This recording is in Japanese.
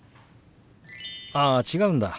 あ違うんだ。